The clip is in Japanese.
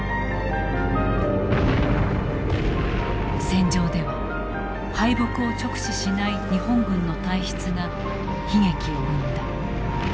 戦場では敗北を直視しない日本軍の体質が悲劇を生んだ。